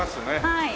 はい。